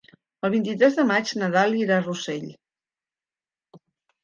El vint-i-tres de maig na Dàlia irà a Rossell.